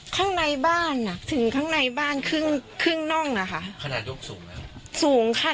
ข้างในบ้านอ่ะถึงข้างในบ้านครึ่งครึ่งน่องนะคะขนาดยกสูงนะสูงค่ะ